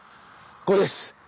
これです。